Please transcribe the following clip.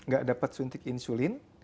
gak dapat suntik insulin